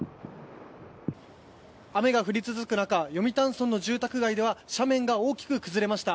雨が降り続く中読谷村の住宅街では斜面が大きく崩れました。